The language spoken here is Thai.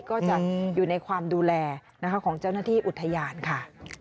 ก็จะอยู่ในความดูแลนะคะของเจ้าหน้าที่อุทยานค่ะ